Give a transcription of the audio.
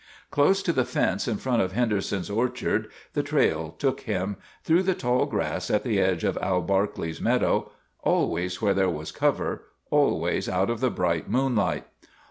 122 ISHMAEL Close to the fence in front of Henderson's orchard the trail took him, through the tall grass at the edge of Al Barkley's meadow always where there was cover, always out of the bright moonlight.